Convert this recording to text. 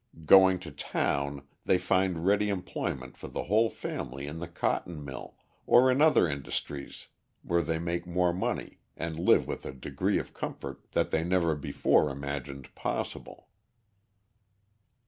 Going to town, they find ready employment for the whole family in the cotton mill or in other industries where they make more money and live with a degree of comfort that they never before imagined possible.